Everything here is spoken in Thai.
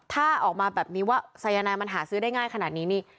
ถ้าออกมาแบบนี้ว่าสายนายมันหาซื้อได้ง่ายขนาดนี้นี่